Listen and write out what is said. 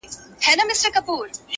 چي د ښارونو جنازې وژاړم!